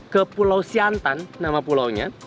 ke pulau siantan nama pulau nya